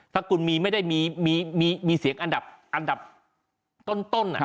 ถ้าคุณมีไม่ได้มีเสียงอันดับต้น